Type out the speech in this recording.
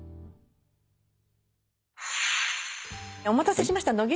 お待たせしました。